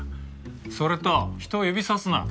それと人を指さすな！